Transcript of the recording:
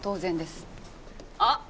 あっ！